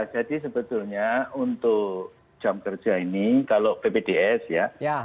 jadi sebetulnya untuk jam kerja ini kalau pbds ya